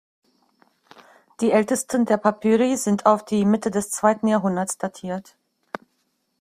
Die ältesten der Papyri sind auf die Mitte des zweiten Jahrhunderts datiert.